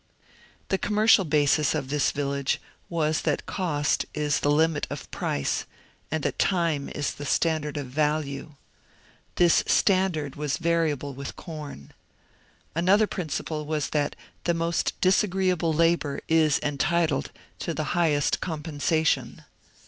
The commercial basis of this village was that cost is the limit of price, and that time is the standard of value. This standard was variable with corn. Another principle was that the most disagreeable labour is entitled to the highest com pensation.